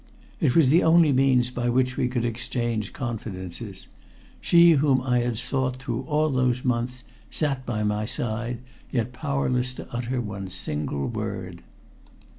It was the only means by which we could exchange confidences. She whom I had sought through all those months sat at my side, yet powerless to utter one single word.